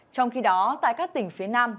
trong khi đó tại các tỉnh phía nam